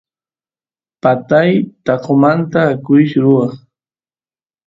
patay taqomanta akush ruwaq